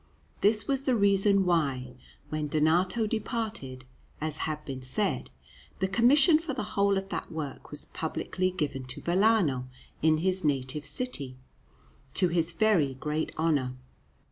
This was the reason why, when Donato departed, as has been said, the commission for the whole of that work was publicly given to Vellano in his native city, to his very great honour.